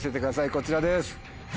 こちらです。